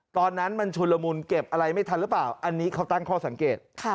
ตอนนั้นมันชุนละมุนเก็บอะไรไม่ทันหรือเปล่าอันนี้เขาตั้งข้อสังเกต